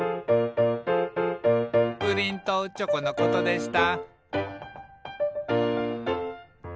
「プリンとチョコのことでした」